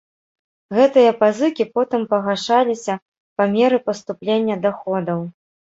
Гэтыя пазыкі потым пагашаліся па меры паступлення даходаў.